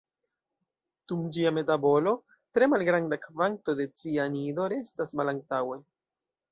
Dum ĝia metabolo, tre malgranda kvanto de cianido restas malantaŭe.